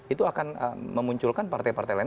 itu akan memunculkan partai partai lain